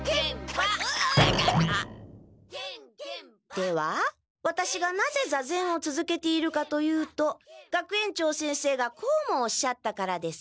ではワタシがなぜ座禅をつづけているかというと学園長先生がこうもおっしゃったからです。